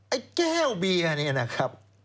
ไอ้แก้วเบียร์เนี่ยนะครับ